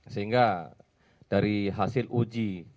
sehingga dari hasil uji